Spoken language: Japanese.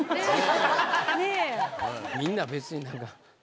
みんな別に何か。